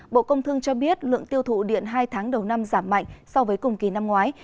bộ công thương cho biết lượng tiêu thụ điện hai tháng đầu năm giảm mạnh so với cùng kỳ năm ngoái